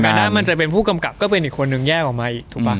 แต่ว่าการได้มันจะเป็นผู้กำกับก็เป็นอีกคนนึงแย่กว่ามาอีกถูกปะ